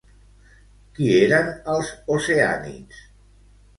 Qui eren els Oceànits?